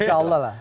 insya allah lah